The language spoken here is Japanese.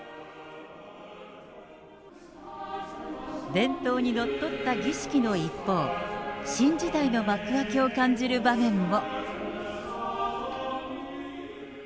伝統にのっとった儀式の一方、新時代の幕開けを感じる場面も。